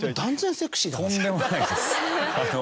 とんでもないです。